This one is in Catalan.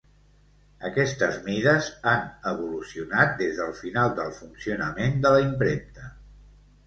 Aquestes mides han evolucionat des del final del funcionament de la impremta.